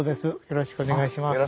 よろしくお願いします。